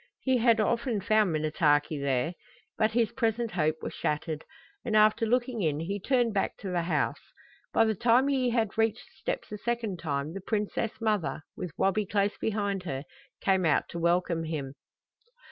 He had often found Minnetaki there. But his present hope was shattered, and after looking in he turned back to the house. By the time he had reached the steps a second time the princess mother, with Wabi close behind her, came out to welcome him.